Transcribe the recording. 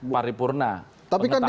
paripurna pengetahuan dan